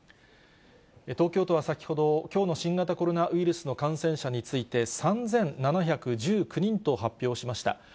東京都は先ほど、きょうの新型コロナウイルスの感染者について、３７１９人と発表しました。